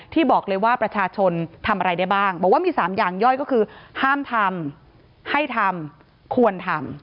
ที่บอกเลยว่าประชาชนทำอะไรได้บ้างบอกว่ามี๓อย่างย่อยก็คือห้ามทำให้ทำควรทำ